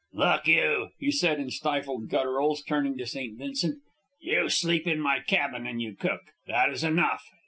"Look you," he said in stifled gutturals, turning to St. Vincent. "You sleep in my cabin and you cook. That is enough.